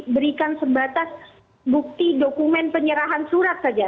berikan sebatas bukti dokumen penyerahan surat saja